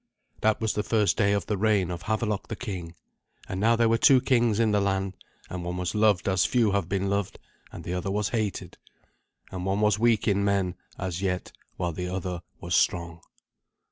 That was the first day of the reign of Havelok the king; and now there were two kings in the land, and one was loved as few have been loved, and the other was hated. And one was weak in men, as yet, while the other was strong.